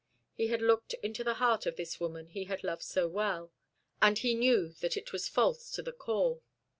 He had looked into the heart of this woman he had loved so well, and he knew that it was false to the core.